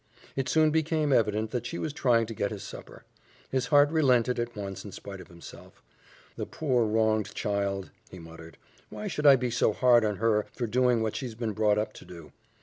It soon became evident that she was trying to get his supper. His heart relented at once in spite of himself. "The poor, wronged child!" he muttered. "Why should I be so hard on her for doing what she's been brought up to do?